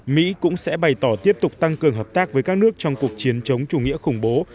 mỹ cũng sẽ bày tỏ tiếp tục tăng cường hợp tác với các nước trong cuộc chiến chống chủ nghĩa khủng bố